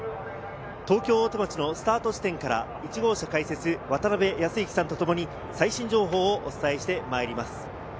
東京・大手町のスタート地点から１号車解説・渡辺康幸さんとともに最新情報をお伝えしてまいります。